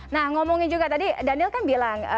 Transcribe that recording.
nah ngomongin juga tadi daniel kan bilang